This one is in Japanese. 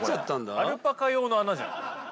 アルパカ用の穴じゃん。